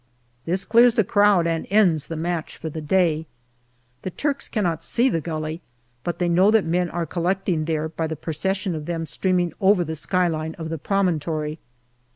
This clears the crowd and ends the match for the day. The Turks cannot see the gully, but know that men are collecting there by the procession of them streaming over the skyline of the promontory.